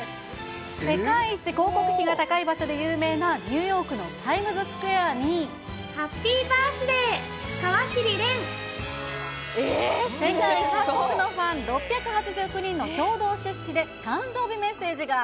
世界一広告費が高い場所で有名なニューヨークのタイムズスクエアハッピーバースデー、世界各国のファン６８９人の共同出資で、誕生日メッセージが。